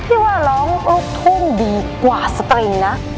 พี่ว่าร้องลูกทุ่งดีกว่าสตริงนะ